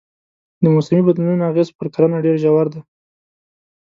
د موسمي بدلونونو اغېز پر کرنه ډېر ژور دی.